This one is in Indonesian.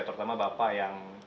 terutama bapak yang